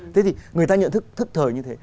thế thì người ta nhận thức thức thời như thế